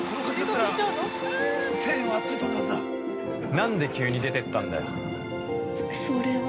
◆何で急に出ていったんだよ。